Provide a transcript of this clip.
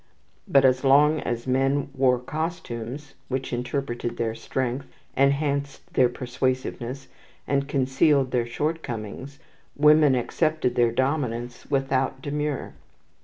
But as long as men wore costumes which interpreted their strength, enhanced their persuasiveness, and concealed their shortcomings, women accepted their dominance without demur.